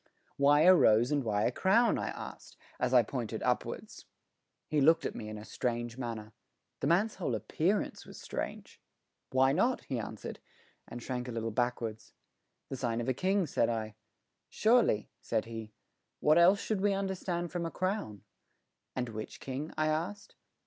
"Why a rose and why a crown?" I asked as I pointed upwards. He looked at me in a strange manner. The man's whole appearance was strange. "Why not?" he answered, and shrank a little backwards. "The sign of a king," said I. "Surely," said he. "What else should we understand from a crown?" "And which king?" I asked.